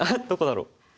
どこだろう？